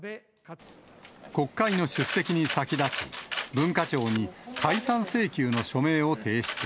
国会の出席に先立ち、文化庁に解散請求の署名を提出。